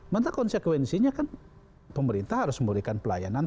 maka konsekuensinya kan pemerintah harus memberikan pelayanan